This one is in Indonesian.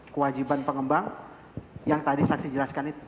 kewajiban pengembang yang tadi saksi jelaskan itu